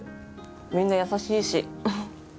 みんな優しいし。